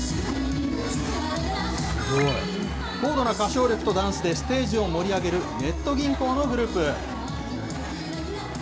高度な歌唱力とダンスでステージを盛り上げる、ネット銀行のグループ。